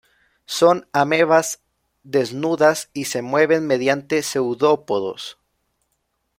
Son amebas desnudas y se mueven mediante seudópodos.